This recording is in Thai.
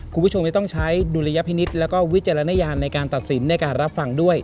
คุณผู้ชมจะต้องใช้ดุลยพินิษฐ์แล้วก็วิจารณญาณในการตัดสินในการรับฟังด้วย